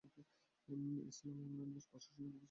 ইসলাম Online এর প্রশাসনিক office কাতারের দোহায় অবস্থিত।